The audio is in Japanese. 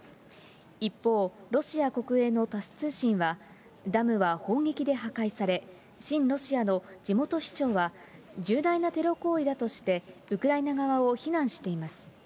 一方、ロシア国営のタス通信は、ダムは砲撃で破壊され、親ロシアの地元市町は、重大なテロ行為だとして、ウクライナ側を非難しています。